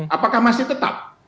apakah masih tetap